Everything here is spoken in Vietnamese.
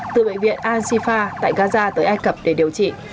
từ bệnh viện al shifa tại gaza tới ai cập để điều trị